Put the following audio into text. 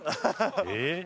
えっ？